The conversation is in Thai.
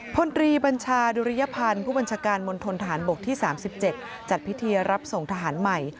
พลตรีบัญชาดุริยพันธ์ผู้บัญชาการมณฑนทหารบกที่๓๗จัดพิธีรับส่งทหารใหม่